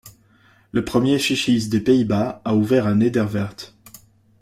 Le premier Chi-Chi's des Pays-Bas a ouvert à Nederweert.